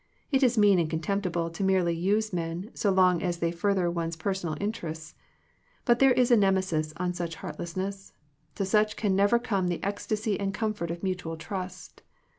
It is mean and contemptible to merely use men, so long as they further one's per sonal interests. But there is a nemesis on such heartlessness. To such can never come the ecstasy and comfort of mutual trust.